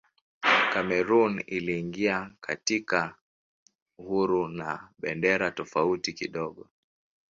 Kamerun iliingia katika uhuru na bendera tofauti kidogo.